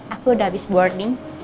aku udah habis boarding